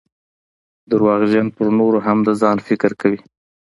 درواغجن پرنورو هم دځان فکر کوي